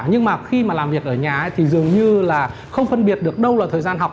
nhưng mà khi mà làm việc ở nhà thì dường như là không phân biệt được đâu là thời gian học